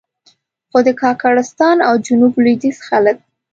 خو د کاکړستان او جنوب لوېدیځ خلک.